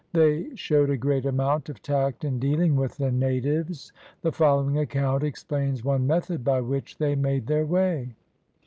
They showed a great amount of tact in dealing with the natives. The following account explains one method by which they made their way.